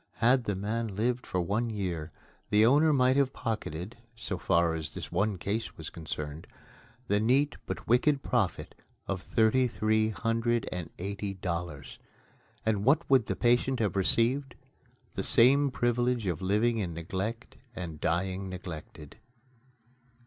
Had the man lived for one year, the owner might have pocketed (so far as this one case was concerned) the neat but wicked profit of thirty three hundred and eighty dollars. And what would the patient have received? The same privilege of living in neglect and dying neglected.